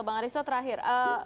bang aristo terakhir